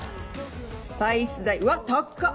スパイス代うわ高っ！